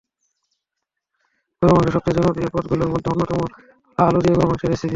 গরুর মাংসের সবচেয়ে জনপ্রিয় পদগুলোর মধ্যে অন্যতম হলো আলু দিয়ে গরুর মাংসের রেসিপি।